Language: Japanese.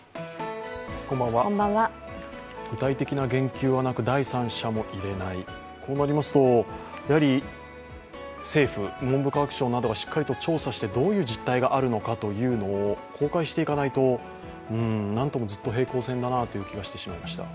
具体的な言及はなく第三者も入れない、こうなりますと、政府、文部科学省などがしっかり調査してどういう実態があるのかというのを公開していかないと何ともずっと平行線だなという気がしてしまいました。